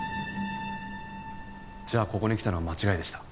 じゃあここに来たのは間違いでした。